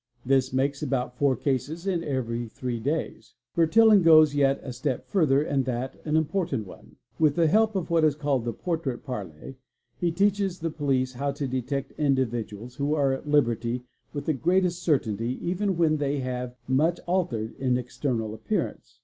This makes about four cases in every three days. _ it Bertillon goes yet a step further and that an important one. Wii the help of what is called the '' Portrait Parlé" he teaches the polie how to detect individuals who are at liberty with the greatest certe int even when they have much altered in external appearance.